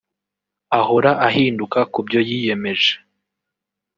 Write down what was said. ahora ahinduka kubyo yiyemeje